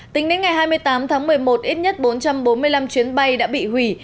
tính đến ngày hai mươi tám tháng một mươi một ít nhất bốn trăm bốn mươi năm chuyến bay đã bị hủy